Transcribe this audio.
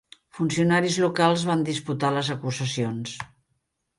Funcionaris locals van disputar les acusacions.